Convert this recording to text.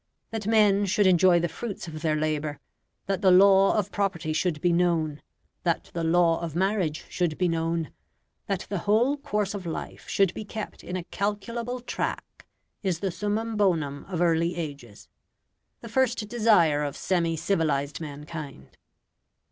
That men should enjoy the fruits of their labour, that the law of property should be known, that the law of marriage should be known, that the whole course of life should be kept in a calculable track is the summum bonum of early ages, the first desire of semi civilised mankind.